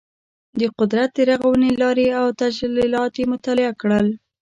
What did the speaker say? د قدرت د رغونې لارې او تجلیات یې مطالعه کړل.